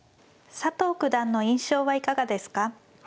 佐藤九段の印象はいかがですか。